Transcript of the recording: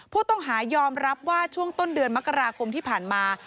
ผู้ต้องหายอมรับว่าช่วงต้นเดือนมกราคมที่ผ่านมา